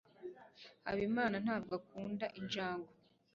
habimana ntabwo akunda injangwe